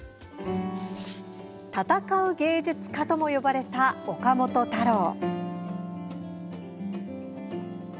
「闘う芸術家」とも呼ばれた岡本太郎。